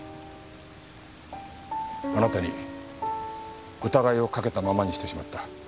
あなたに疑いをかけたままにしてしまった。